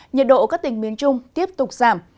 nhiệt độ các tỉnh miền trung tiếp tục giảm